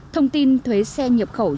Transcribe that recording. thông tin thuế xe nhập khẩu